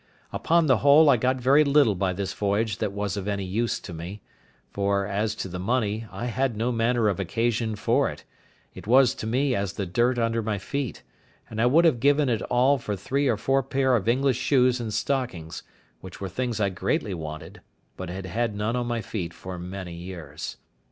Upon the whole, I got very little by this voyage that was of any use to me; for, as to the money, I had no manner of occasion for it; it was to me as the dirt under my feet, and I would have given it all for three or four pair of English shoes and stockings, which were things I greatly wanted, but had had none on my feet for many years.